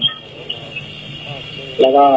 ผมเสียใจแล้วกับครอบครัวครับ